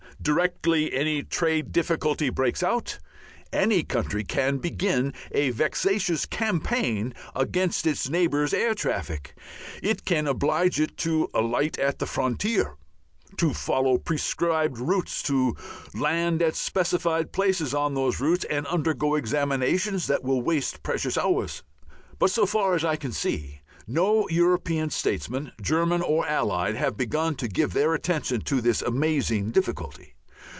Directly any trade difficulty breaks out, any country can begin a vexatious campaign against its neighbour's air traffic. It can oblige it to alight at the frontier, to follow prescribed routes, to land at specified places on those routes and undergo examinations that will waste precious hours. But so far as I can see, no European statesman, German or Allied, have begun to give their attention to this amazing difficulty.